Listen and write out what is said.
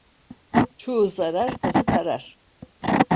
Çoğu zarar, azı karar.